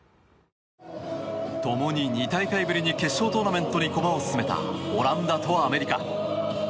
共に２大会ぶりに決勝トーナメントに駒を進めたオランダとアメリカ。